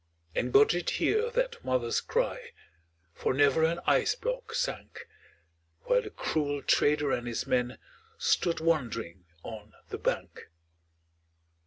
And God did hear that mother's cry, For never an ice block sank; While the cruel trader and his men Stood wondering on the bank.